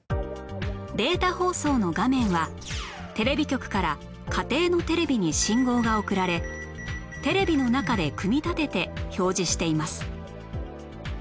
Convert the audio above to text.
データ放送の画面はテレビ局から家庭のテレビに信号が送られテレビの中で組み立てて表示しています